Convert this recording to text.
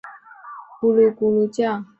吃了布丁肚子咕噜叫